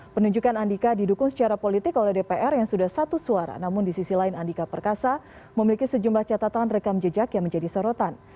penunjukan andika didukung secara politik oleh dpr yang sudah satu suara namun di sisi lain andika perkasa memiliki sejumlah catatan rekam jejak yang menjadi sorotan